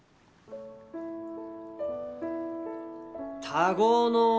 「田子の浦」。